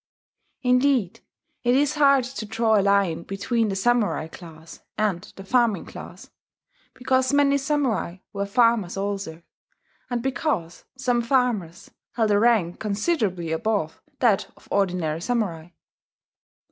Indeed, it is hard to draw a line between the samurai class and the farming class, because many samurai were farmers also, and because some farmers held a rank considerably above that of ordinary samurai.